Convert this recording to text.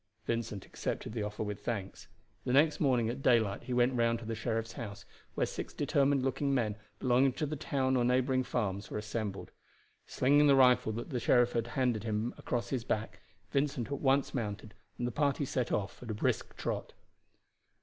Vincent accepted the offer with thanks. The next morning at daylight he went round to the sheriff's house, where six determined looking men, belonging to the town or neighboring farms, were assembled. Slinging the rifle that the sheriff handed him across his back, Vincent at once mounted, and the party set off at a brisk trot.